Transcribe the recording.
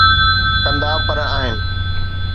ڪندا 'پر آهن.